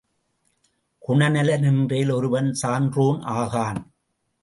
குணநலன் இன்றேல், ஒருவன் சான்றோன் ஆகான்.